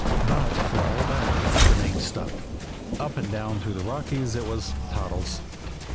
But, for all that, the name stuck. Up and down through the Rockies it was Toddles.